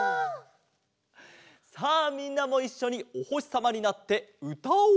さあみんなもいっしょにおほしさまになってうたおう！